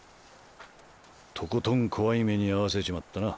とことん怖い目に遭わせちまったな。